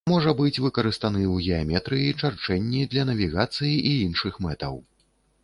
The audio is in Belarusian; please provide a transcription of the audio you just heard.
Можа быць выкарыстаны ў геаметрыі, чарчэнні, для навігацыі і іншых мэтаў.